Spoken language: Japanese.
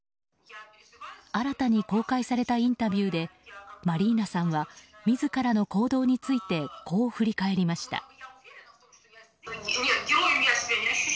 新たに公開されたインタビューでマリーナさんは自らの行動についてこう振り返りました。